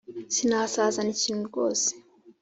sinasazana iki kintu rwose